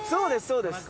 そうです